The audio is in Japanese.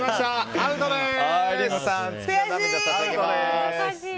アウトです！